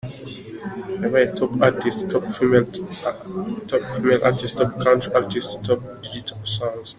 yabaye Top Artist, Top Female Artist, Top County Artist, Top Digital Songs.